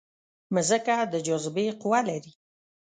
مځکه د جاذبې قوه لري.